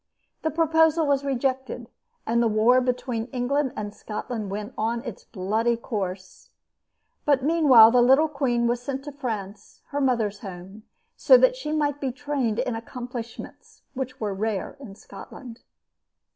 The proposal was rejected, and the war between England and Scotland went on its bloody course; but meanwhile the little queen was sent to France, her mother's home, so that she might be trained in accomplishments which were rare in Scotland.